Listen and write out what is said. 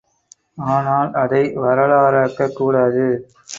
ஆனால் அதை வரலாறாக்கக் கூடாது.